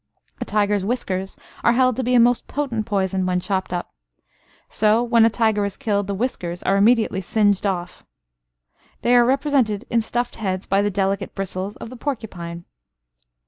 A tiger's whiskers are held to be a most potent poison when chopped up; so, when a tiger is killed, the whiskers are immediately singed off. They are represented in stuffed heads by the delicate bristles of the porcupine.